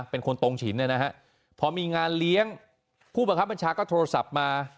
เป็นคนตรงฉินเนี่ยนะฮะพอมีงานเลี้ยงผู้บังคับบัญชาก็โทรศัพท์มา